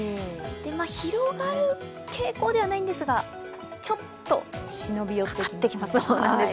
広がる傾向ではないんですが、ちょっとかかってきます。